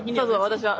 私は。